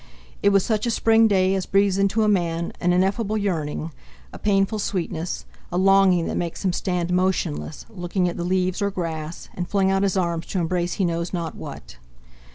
It was such a spring day as breathes into a man an ineffable yearning, a painful sweetness, a longing that makes him stand motionless, looking at the leaves or grass, and fling out his arms to embrace he knows not what.